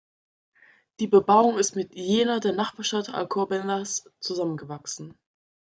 Die Bebauung ist mit jener der Nachbarstadt Alcobendas zusammengewachsen.